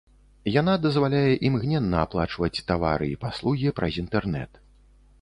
Яна дазваляе імгненна аплачваць тавары і паслугі праз інтэрнэт.